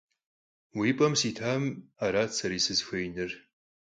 Уи пӏэм ситамэ, арат сэри сызыхуеинур.